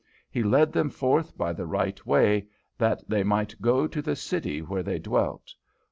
He led them forth by the right way, that they might go to the city where they dwelt.